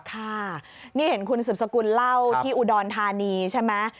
ค่ะนี่เห็นคุณสืบสกุลเล่าที่อุดรธานีใช่ไหม